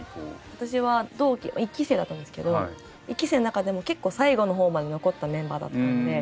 私は同期１期生だったんですけど１期生の中でも結構最後のほうまで残ったメンバーだったんで。